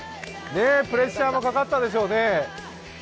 プレッシャーもかかったでしょうね。